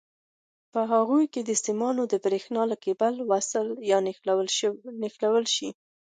په هغو کې سیمان د برېښنا له کېبل سره وصل یا ونښلول شي.